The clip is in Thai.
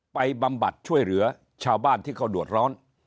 บำบัดช่วยเหลือชาวบ้านที่เขาเดือดร้อน